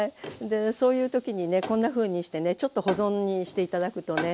でそういう時にねこんなふうにしてねちょっと保存にして頂くとね